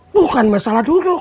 bukan masalah duduk